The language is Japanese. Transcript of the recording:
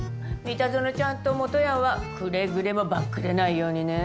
三田園ちゃんともとやんはくれぐれもバックレないようにね。